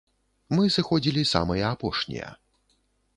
Мы сыходзілі самыя апошнія.